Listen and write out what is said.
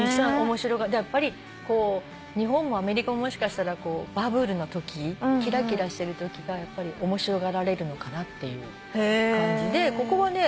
やっぱり日本もアメリカももしかしたらバブルのときキラキラしてるときがやっぱり面白がられるのかなっていう感じでここはね